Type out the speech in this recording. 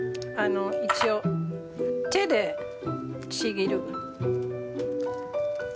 一応手でちぎる。